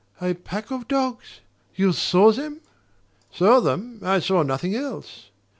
"A pack of dogs you SAW them?" "Saw them? I saw nothing else!"